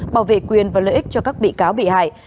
bảo vệ quyền và lợi ích cho các bị cáo bị hại